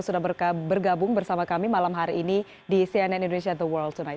sudah bergabung bersama kami malam hari ini di cnn indonesia the world tonight